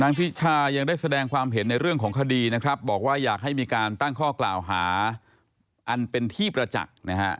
พิชายังได้แสดงความเห็นในเรื่องของคดีนะครับบอกว่าอยากให้มีการตั้งข้อกล่าวหาอันเป็นที่ประจักษ์นะฮะ